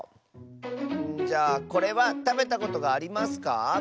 じゃあこれはたべたことがありますか？